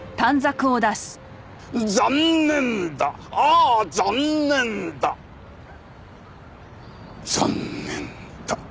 「残念だああ残念だ残念だ」